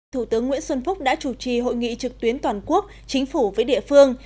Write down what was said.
thủ tướng nguyễn xuân phúc đã chủ trì hội nghị trực tuyến toàn quốc chính phủ với địa phương